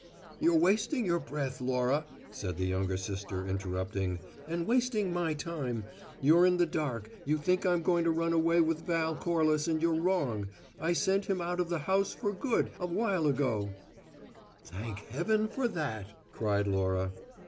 "You're wasting your breath, Laura," said the younger sister, interrupting, "and wasting my time. You're in the dark: you think I'm going to run away with Val Corliss and you're wrong. I sent him out of the house for good, a while ago " "Thank heaven for that!" cried Laura.